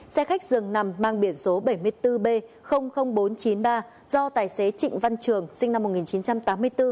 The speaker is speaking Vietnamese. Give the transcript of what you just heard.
xe khách dường nằm mang biển số bảy mươi bốn b bốn trăm chín mươi ba do tài xế trịnh văn trường sinh năm một nghìn chín trăm tám mươi bốn